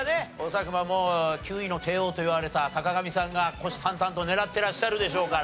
恐らくもう９位の帝王といわれた坂上さんが虎視眈々と狙ってらっしゃるでしょうから。